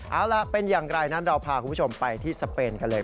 เอาล่ะเป็นอย่างไรนั้นเราพาคุณผู้ชมไปที่สเปนกันเลย